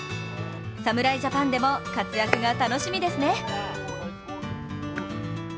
侍ジャパンでも、活躍が楽しみですね。